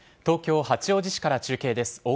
東京・八王子市から中継です。